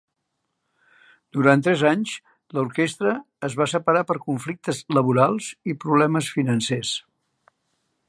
Durant tres anys, l'orquestra es va separar per conflictes laborals i problemes financers.